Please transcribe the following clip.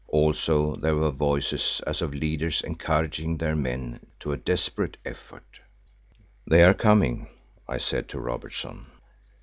Also there were voices as of leaders encouraging their men to a desperate effort. "They are coming," I said to Robertson.